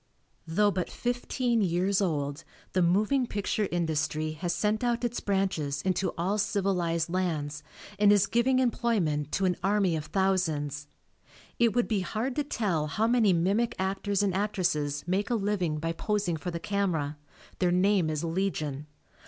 Though but fifteen years old the moving picture industry has sent out its branches into all civilized lands and is giving employment to an army of thousands. It would be hard to tell how many mimic actors and actresses make a living by posing for the camera; their name is legion.